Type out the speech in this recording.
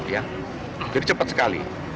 jadi cepat sekali